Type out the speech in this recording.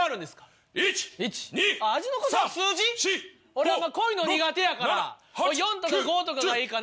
俺濃いの苦手やから４とか５とかがいいかな。